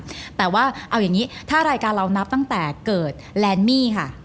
แต่ว่าเอาอย่างนี้ถ้ารายการเรานับตั้งแต่เกิดแลนด์มี่ค่ะ